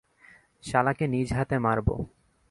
শালাকে নিজহাতে মারবো।